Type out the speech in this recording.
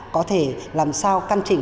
có thể làm sao căn chỉnh